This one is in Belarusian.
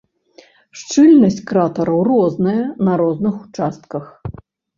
Шчыльнасць кратараў розная на розных участках.